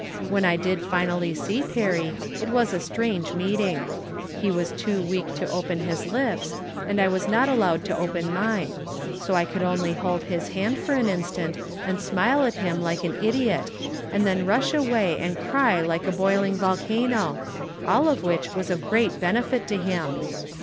When I did finally see Perry, it was a strange meeting. He was too weak to open his lips, and I was not al lowed to open mine ; so I could only hold his hand for an instant and smile at him like an idiot, and then rush away and cry like a boiling volcano — all of wliich was of great benefit to him